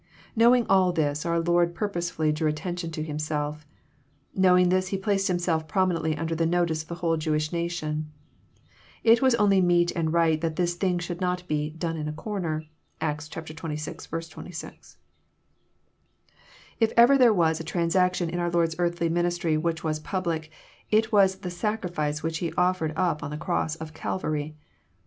Knowing all this, our Lord purposely drew attention to Himself. Knowing this, He placed Himself promi nently under the notice of the whole Jewish nation. It was only meet and right that this thing should not be "done in a corner." (Acts xxvi. 26.) If ever there was a transaction in our Lord's earthly ministry which was public, it was the Sacrifice which He offered up on the cross of Calvary.